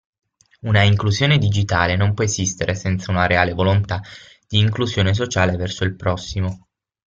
Una inclusione digitale non può esistere senza una reale volontà di inclusione sociale verso il prossimo.